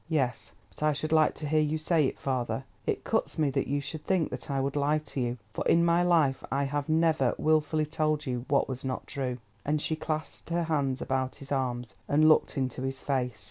"Yes, but I should like to hear you say it, father. It cuts me that you should think that I would lie to you, for in my life I have never wilfully told you what was not true;" and she clasped her hands about his arms, and looked into his face.